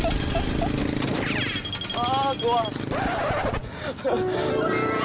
คือเขาอาจจะมีประสบการณ์ไหม